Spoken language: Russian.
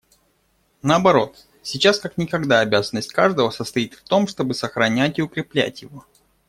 Наоборот, сейчас как никогда обязанность каждого состоит в том, чтобы сохранять и укреплять его.